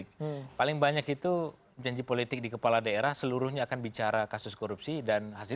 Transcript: keputusan diambil oleh dpp secara jelas secara tegas